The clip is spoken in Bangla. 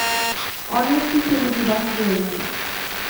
অনেক কিছু বুঝি বাকি রয়ে গেল।